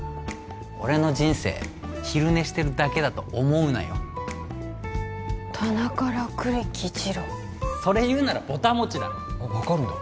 俺の人生昼寝してるだけだと思うなよ棚から栗木次郎それ言うならぼたもちだろあっ分かるんだ